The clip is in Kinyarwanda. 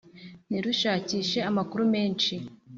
ntirushakishe amakuru menhsi,